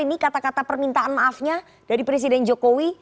ini kata kata permintaan maafnya dari presiden jokowi